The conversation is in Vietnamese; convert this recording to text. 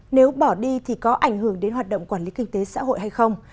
nếu bỏ đi thì có ảnh hưởng đến hoạt động quản lý kinh tế xã hội hay không